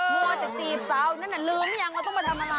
เมื่อเจ๊จีบเจ้าน่ะลืมอย่างว่าต้องมาทำอะไร